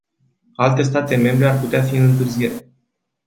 Alte state membre ar putea fi în întârziere.